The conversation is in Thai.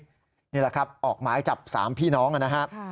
นี่แหละครับออกหมายจับ๓พี่น้องนะครับ